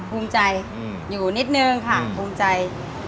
ภูมิใจอยู่นิดนึงค่ะภูมิใจ